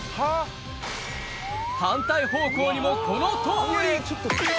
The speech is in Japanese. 反対方向にも、この通り。